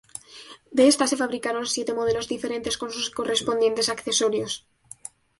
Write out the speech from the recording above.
De esta se fabricaron siete modelos diferentes con sus correspondientes accesorios.